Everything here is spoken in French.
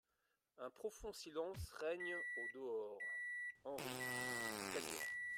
Un profond silence règne au dehors.) HENRI, à Cadio.